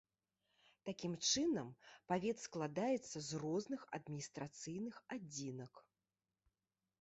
Такім чынам, павет складаецца з розных адміністрацыйных адзінак.